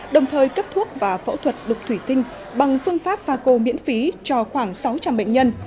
đồng thời cấp thuốc và phẫu thuật độc thuyệt tinh bằng phương pháp và cầu miễn phí cho khoảng sáu trăm linh bệnh nhân